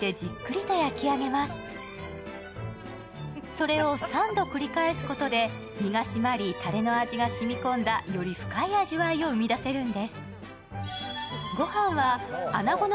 それを３度、繰り返すことで身が締まりたれの味がしみ込んだより深い味わいを生み出せるんです。